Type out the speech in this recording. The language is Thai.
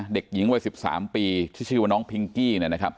เด็กหญิงไว้๑๓ปีเที่ยวน้องพิงกี้